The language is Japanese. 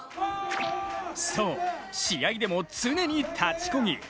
そう、試合でも常に立ちこぎ。